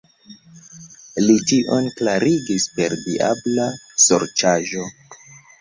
Li tion klarigis per diabla sorĉaĵo.